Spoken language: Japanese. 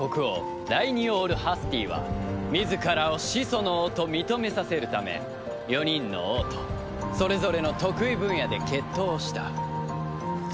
ライニオール・ハスティーは自らを始祖の王と認めさせるため４人の王とそれぞれの得意分野で決闘をした。